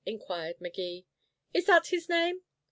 inquired Magee. "Is that his name?